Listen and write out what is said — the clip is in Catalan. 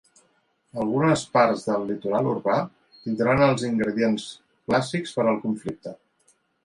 Algunes parts del litoral urbà tindran els ingredients clàssics per al conflicte.